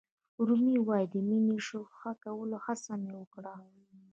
رومي وایي د مینې شرحه کولو هڅه مې وکړه.